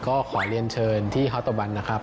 ก็ขอเรียนเชิญที่ฮอตบันนะครับ